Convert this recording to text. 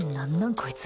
こいつ！